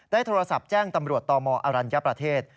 โทรศัพท์แจ้งตำรวจตมอรัญญประเทศ